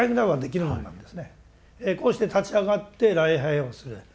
こうして立ち上がって礼拝をする。